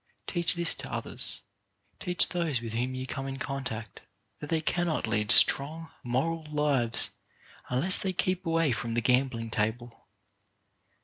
Teach this to others. Teach those with whom you come in contact that they cannot lead strong, moral lives unless they keep away from the gambling table.